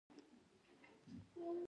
یو یې زما د کار لپاره مضر دی او هغه بل یې.